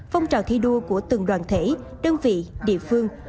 phong trào thi đua của từng đoàn thể đơn vị địa phương